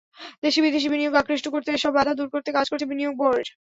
দেশি-বিদেশি বিনিয়োগ আকৃষ্ট করতে এসব বাধা দূর করতে কাজ করছে বিনিয়োগ বোর্ড।